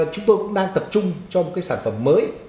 chúng tôi cũng đang tập trung cho một cái sản phẩm mới